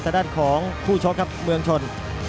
สดานของผู้ช็อกเมืองชน